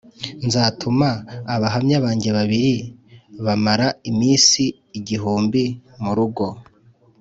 Nzatuma abahamya banjye babiri bamara iminsi igihumbi murugo